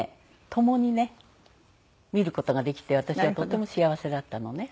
共にね見る事ができて私はとても幸せだったのね。